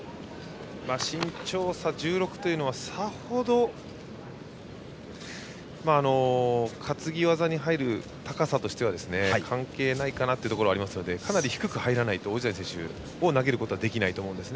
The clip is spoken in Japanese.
身長差１６というのはさほど担ぎ技に入る高さとしては関係ないかなというところはあるのでかなり低く入らないと王子谷選手を投げることはできないと思います。